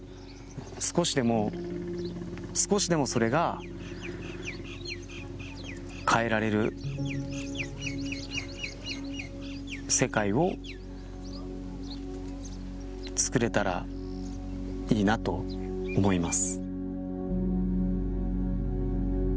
少しでも少しでもそれが変えられる世界をつくれたらいいなと思います。